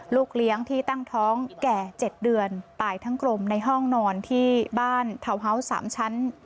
ลูกเลี้ยงที่ตั้งท้องแก่๗เดือนตายทั้งกลมในห้องนอนที่บ้านทาวน์ฮาวส์๓ชั้น